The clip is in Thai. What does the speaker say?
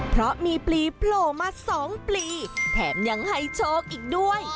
เพราะมีปลีโผล่มา๒ปลีแถมยังให้โชคอีกด้วย